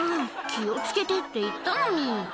「気を付けてって言ったのに」